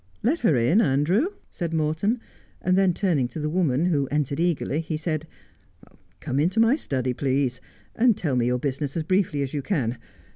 * Let her in, Andrew,' said Morton, and then turning to the woman, who entered eagerly, he said, ' Come into my study, please, and tell me your business as briefly as you can.